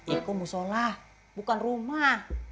iku muz sholah bukan rumah